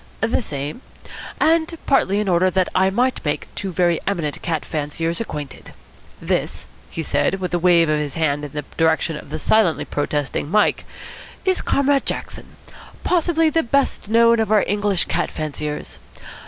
"The same and partly in order that I might make two very eminent cat fanciers acquainted. This," he said, with a wave of his hand in the direction of the silently protesting Mike, "is Comrade Jackson, possibly the best known of our English cat fanciers.